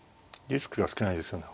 リスクが少ないですよね。